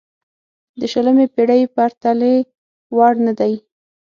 د شلمې پېړۍ پرتلې وړ نه دی.